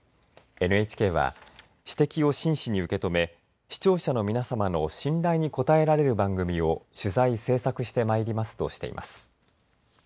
ＮＨＫは指摘を真摯に受け止め視聴者の皆様の信頼に応えられる番組を取材・制作してまいりますとしています。